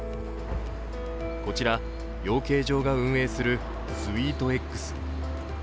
こちら、養鶏場が運営するスウィートエッグス。